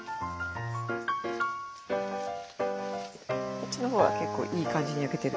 こっちのほうは結構いい感じに焼けてる。